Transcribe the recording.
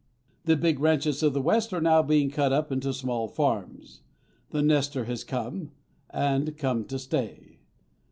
The big ranches of the West are now being cut up into small farms. The nester has come, and come to stay.